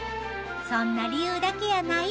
そんな理由だけやない。